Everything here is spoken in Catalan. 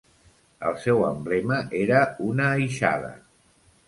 El seu emblema era una aixada.